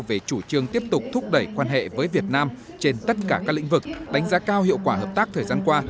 về chủ trương tiếp tục thúc đẩy quan hệ với việt nam trên tất cả các lĩnh vực đánh giá cao hiệu quả hợp tác thời gian qua